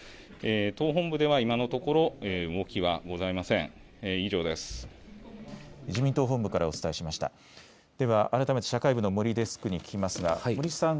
党本部では今のところ動きはございません。